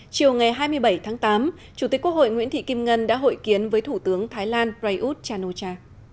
chiều ngày hai mươi bảy tháng tám chủ tịch quốc hội nguyễn thị kim ngân đã hội kiến với thủ tướng thái lan prayuth chan o cha